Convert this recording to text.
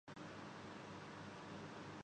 standard currency format